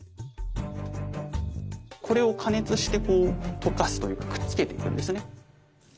これを加熱してこう溶かすというかくっつけていくんですね。